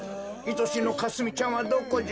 いとしのかすみちゃんはどこじゃ？